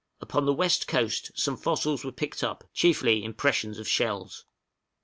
Upon the west coast some fossils were picked up, chiefly impressions of shells.